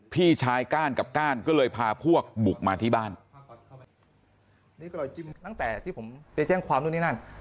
พี่ชายก้านกับก้านก็เลยพาพวกบุกมาที่บ้านนี่ก็เลยจิ้มตั้งแต่ที่ผมไปแจ้งความนู่นนี่นั่น